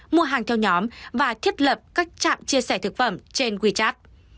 mua hàng theo nhóm và thiết lập các trạm chia sẻ thực phẩm trên wechat